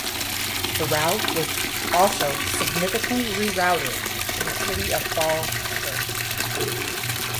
The route was also significantly rerouted in the city of Falls Church.